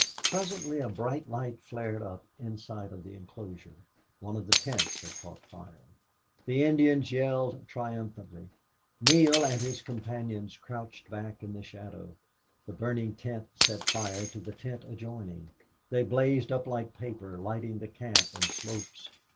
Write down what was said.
Presently a bright light flared up outside of the inclosure. One of the tents had caught fire. The Indians yelled triumphantly. Neale and his companions crouched back in the shadow. The burning tent set fire to the tent adjoining. They blazed up like paper, lighting the camp and slopes.